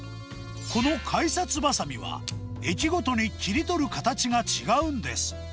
この改札ばさみは、駅ごとに切り取る形が違うんです。